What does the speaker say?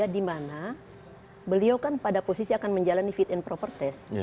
dimana beliau kan pada posisi akan menjalani fit and proper test